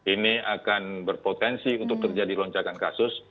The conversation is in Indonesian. ini akan berpotensi untuk terjadi lonjakan kasus